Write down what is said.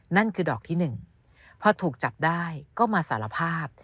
นั่นคือดอกที่๑พอถูกจับได้ก็มาสารภาพ